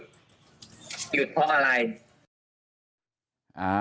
หยุดเพราะอะไร